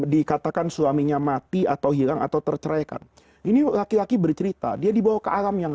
dikatakan suaminya mati atau hilang atau terceraikan ini laki laki bercerita dia dibawa ke alam yang